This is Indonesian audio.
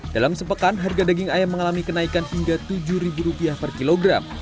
dalam sepekan harga daging ayam mengalami kenaikan hingga rp tujuh per kilogram